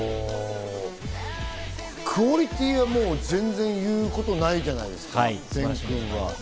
クオリティーはもう全然言うことないじゃないですか、テン君は。